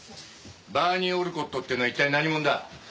バーニー・オルコットってのは一体何者だ？